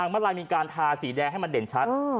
มีการทาสีแดงให้มันเด่นชัด